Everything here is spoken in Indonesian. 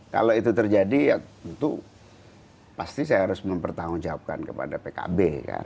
kalau itu terjadi ya tentu pasti saya harus mempertanggungjawabkan kepada pkb